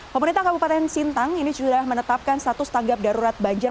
pemerintah kabupaten sintang ini sudah menetapkan status tanggap darurat banjir